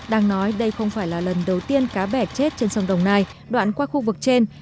đang nói đây không phải là lần đầu tiên cá bẻ chết trên sông đồng nai đoạn qua khu vực trên